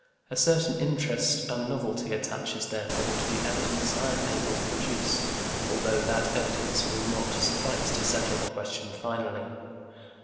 A certain interest and novelty attaches, therefore, to the evidence I am able to produce, although that evidence will not suffice to settle the question finally.